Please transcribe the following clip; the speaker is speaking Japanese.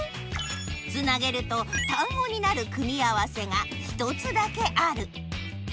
つなげると単語になる組み合わせが１つだけある。